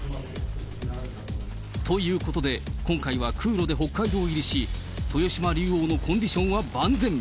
ということで、今回は空路で北海道入りし、豊島竜王のコンディションは万全。